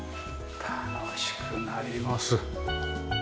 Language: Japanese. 楽しくなります。